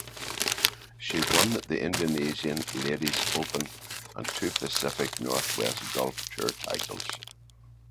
She won the Indonesian Ladies Open and two Pacific Northwest Golf Tour titles.